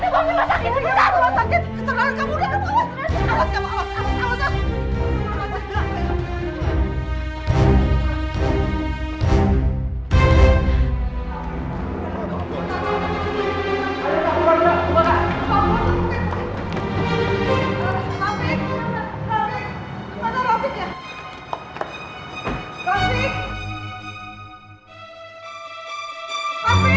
kita bawa ke rumah sakit